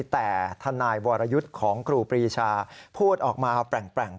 แต่ทนายวรยุทธ์ของครูปรีชาพูดออกมาแปลง